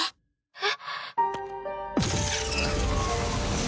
えっ？